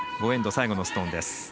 ５エンド、最後のストーンです。